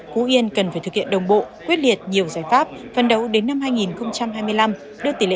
tuy nhiên công tác phát triển người tham gia bảo hiểm y tế đến năm hai nghìn hai mươi ba của tỉ lệ